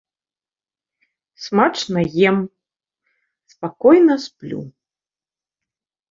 Смачна ем, спакойна сплю.